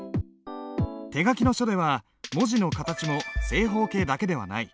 手書きの書では文字の形も正方形だけではない。